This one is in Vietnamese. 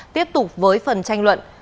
tiếp tục với phần tranh luận